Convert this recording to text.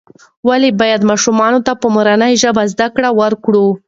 ولې باید ماشوم ته په مورنۍ ژبه زده کړه ورکړو؟